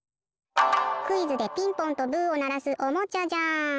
クイズでピンポンとブーをならすおもちゃじゃん！